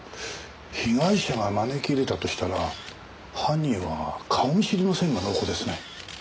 被害者が招き入れたとしたら犯人は顔見知りの線が濃厚ですね。